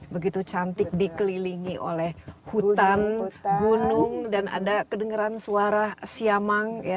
begitu cantik dikelilingi oleh hutan gunung dan ada kedengeran suara siamang